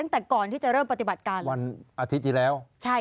ตั้งแต่ก่อนที่จะเริ่มปฏิบัติการวันอาทิตย์ที่แล้วใช่